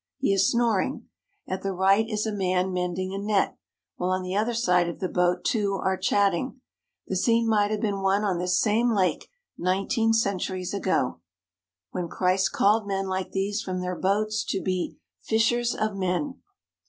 He is snoring. At the right is a man mending a net, while on the other side of the boat two are chatting. The scene might have been one on this same lake nineteen centuries ago, when Christ called men like these from their boats to be "fishers of men."